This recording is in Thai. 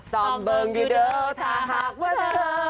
สอนเบิร์งอยู่เด้อท่าหักว่าเธอ